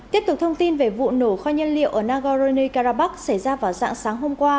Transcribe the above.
tiếp tục thông tin về vụ nổ kho nhân liệu ở nagorno karabakh xảy ra vào dạng sáng hôm qua